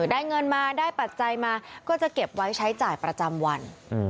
ได้เงินมาได้ปัจจัยมาก็จะเก็บไว้ใช้จ่ายประจำวัน